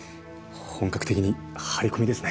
本格的に張り込みですね。